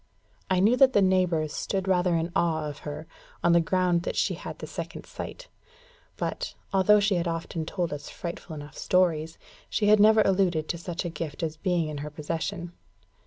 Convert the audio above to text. I knew that the neighbours stood rather in awe of her, on the ground that she had the second sight; but, although she often told us frightful enough stories, she had never alluded to such a gift as being in her possession.